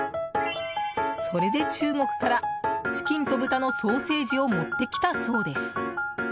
それで中国からチキンと豚のソーセージを持ってきたそうです。